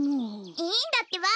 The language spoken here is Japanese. いいんだってば。